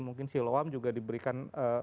mungkin siloam juga diberikan